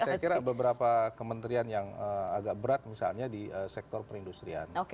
saya kira beberapa kementerian yang agak berat misalnya di sektor perindustrian